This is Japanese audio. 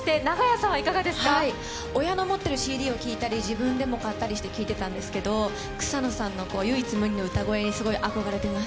親の持ってるＣＤを聴いたり、自分でも買ったりして聴いてたんですけど、草野さんの唯一無二の歌声にすごい憧れています。